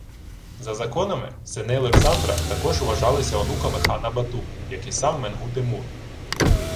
За законами, сини Олександра також вважалися онуками хана Бату, як і сам Менгу-Тимур